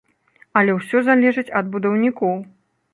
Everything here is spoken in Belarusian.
Але ўсё залежыць ад будаўнікоў.